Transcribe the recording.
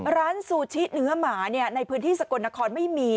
ร้านซูชิเนื้อหมาเนี่ยในพื้นที่สกลนครไม่มี